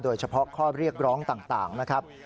โดยเฉพาะข้อเรียกร้องต่างนะครับ